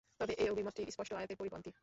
তবে এ অভিমতটি স্পষ্ট আয়াতের পরিপন্থী।